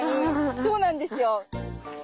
そうなんですよ。